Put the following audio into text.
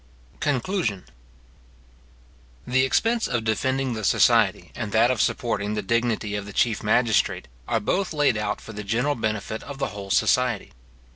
CONCLUSION. The expense of defending the society, and that of supporting the dignity of the chief magistrate, are both laid out for the general benefit of the whole society.